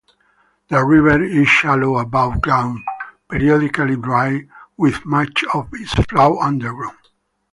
The river is shallow above ground, periodically dry, with much of its flow underground.